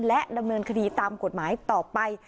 และดำเนินคดีตามกฎหมายต่อไป